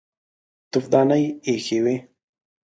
تفدانۍ ايښې وې.